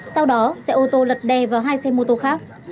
sau đó xe ô tô lật đè vào hai xe mô tô khác